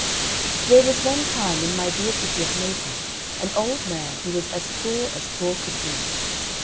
There was one time in my dear city of Naples an old man who was as poor as poor could be.